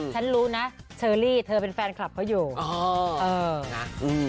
ฉันรู้นะเชอรี่เธอเป็นแฟนคลับเขาอยู่นะ